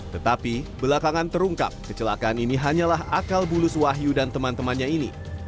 tetapi belakangan terungkap kecelakaan ini hanyalah akal bulus wahyu dan teman temannya ini